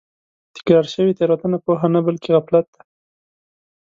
تکرار شوې تېروتنه پوهه نه بلکې غفلت دی.